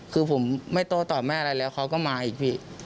คือผมไม่โต้ตอบแม่อะไรแล้วเขาก็มาอีกพี่